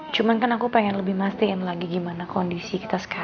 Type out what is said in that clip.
cuman kan aku pengen lebih mastiin lagi gimana kondisi kita sekarang